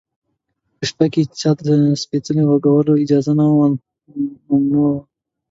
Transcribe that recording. په شپه کې چا ته د شپېلۍ غږولو اجازه نه وه، دا ممنوع و.